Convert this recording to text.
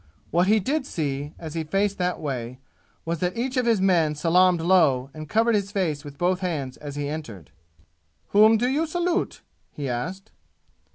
What he did see, as he faced that way, was that each of his men salaamed low and covered his face with both hands as he entered. "Whom do ye salute?" he asked.